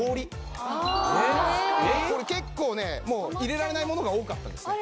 これ結構ね入れられないものが多かったですよ